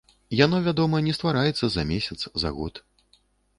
Яно, вядома, не ствараецца за месяц, за год.